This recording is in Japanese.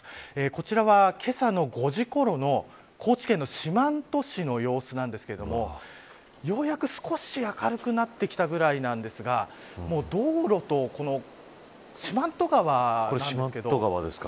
こちらは、けさの５時ごろの高知県の四万十市の様子なんですけれどもようやく少し明るくなってきたぐらいなんですが道路と四万十川なんですけど。